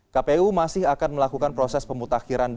kpu masih akan melakukan proses pemutakhiran